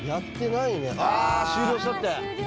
あ終了したって。